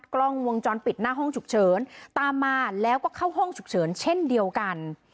กล้องวงจรปิดหน้าห้องฉุกเฉินตามมาแล้วก็เข้าห้องฉุกเฉินเช่นเดียวกัน